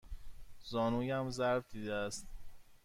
زانویم ضرب دیده است.